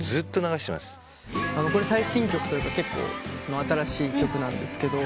これ最新曲というか結構新しい曲なんですけど。